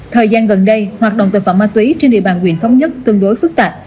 thời gian gần đây hoạt động tội phạm ma túy trên địa bàn huyện thống nhất tương đối phức tạp